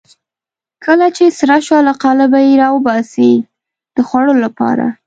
کله چې سره شوه له قالبه یې راباسي د خوړلو لپاره.